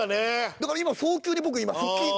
だから早急に僕今。